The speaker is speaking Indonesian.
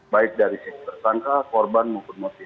baik dari sisi tersangka korban maupun motif